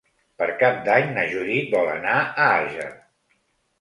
Per Cap d'Any na Judit vol anar a Àger.